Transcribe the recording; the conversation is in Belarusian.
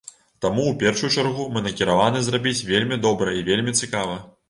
Таму ў першую чаргу мы накіраваны зрабіць вельмі добра і вельмі цікава.